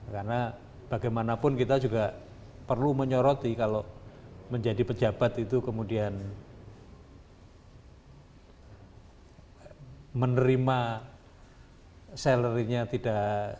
karena bagaimanapun kita juga perlu menyoroti kalau menjadi pejabat itu kemudian menerima salary nya tidak